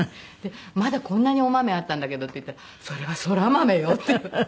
「まだこんなにお豆あったんだけど」って言ったら「それはそら豆よ」って言われて。